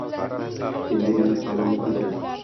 Endi mening holim ne kechar?